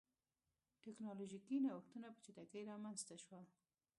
ټکنالوژیکي نوښتونه په چټکۍ رامنځته شول.